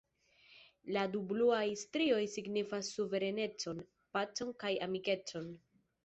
La du bluaj strioj signifas suverenecon, pacon kaj amikecon.